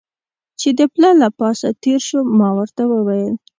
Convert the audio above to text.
چې د پله له پاسه تېر شو، ما ورته وویل.